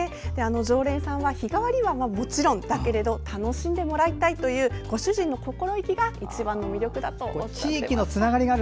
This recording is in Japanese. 常連さんは日替わり湯はもちろんだけれど楽しんでもらいたいというご主人の心意気が一番の魅力だとおっしゃっていました。